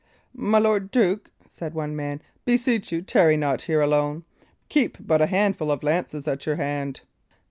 "My lord duke," said one man, "beseech you, tarry not here alone. Keep but a handful of lances at your hand."